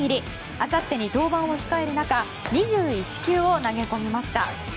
あさってに登板を控える中２１球を投げ込みました。